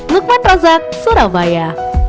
luqman razak surabaya